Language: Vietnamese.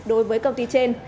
đối với công ty trên